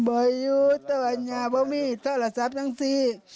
บ่อยอยู่ตะวัดยาบ่ไม่มีทหารศัพท์ตังสิ